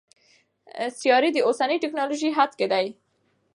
سیارې د اوسني ټکنالوژۍ حد کې دي.